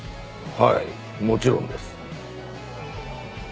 はいもちろんです。